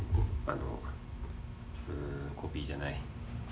あのうんコピーじゃない。